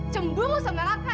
cemburu sama raka